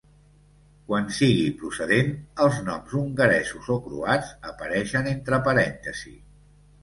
Quan sigui procedent, els noms hongaresos o croats apareixen entre parèntesi.